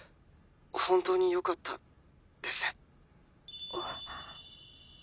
「本当によかったです」